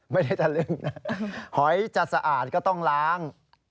ไม่ได้ทันลึกนะหอยจะสะอาดก็ต้องล้าง